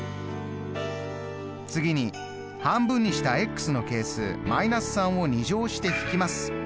次に半分にしたの係数−３を２乗して引きます。